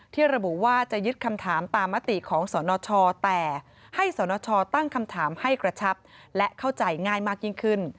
ระบุว่าจะยึดคำถามตามมติของสนชแต่ให้สนชตั้งคำถามให้กระชับและเข้าใจง่ายมากยิ่งขึ้น